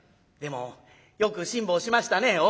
でもよく辛抱しましたね」。